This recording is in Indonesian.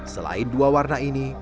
selain dua warna ini